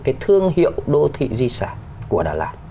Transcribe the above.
cái thương hiệu đô thị di sản của đà lạt